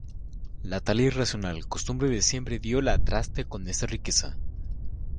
La tala irracional, costumbre de siempre dio al traste con esta riqueza.